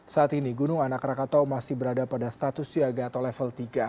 saat ini gunung anak rakatau masih berada pada status siaga atau level tiga